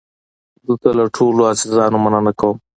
دلته له ټولو عزیزانو مننه کوم.